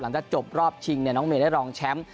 หลังจากจบรอบชิงน้องเมย์ได้รองแชมป์